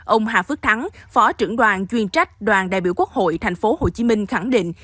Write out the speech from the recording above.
ông hà phước thắng phó trưởng đoàn chuyên trách đoàn đại biểu quốc hội tp hcm khẳng định